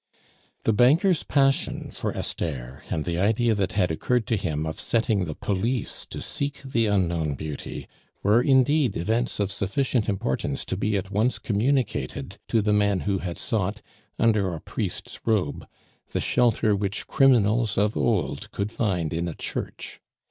The banker's passion for Esther, and the idea that had occurred to him of setting the police to seek the unknown beauty, were indeed events of sufficient importance to be at once communicated to the man who had sought, under a priest's robe, the shelter which criminals of old could find in a church.